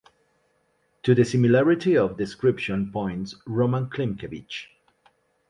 To the similarity of the description points Roman Klymkevych.